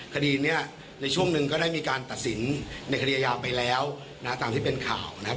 คดีนี้ในช่วงหนึ่งก็ได้มีการตัดสินในคดีอายาไปแล้วนะตามที่เป็นข่าวนะครับ